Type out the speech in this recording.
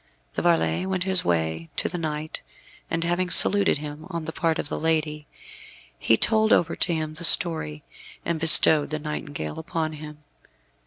The varlet went his way to the knight, and having saluted him on the part of the lady, he told over to him the story, and bestowed the nightingale upon him.